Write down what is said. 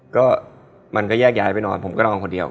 ก็มันก็แยกย้ายไปนอนผมก็นอนคนเดียว